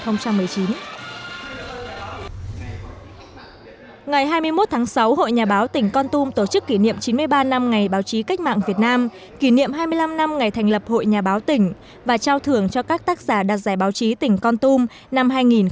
ngày hai mươi một tháng sáu hội nhà báo tỉnh con tum tổ chức kỷ niệm chín mươi ba năm ngày báo chí cách mạng việt nam kỷ niệm hai mươi năm năm ngày thành lập hội nhà báo tỉnh và trao thưởng cho các tác giả đạt giải báo chí tỉnh con tum năm hai nghìn một mươi chín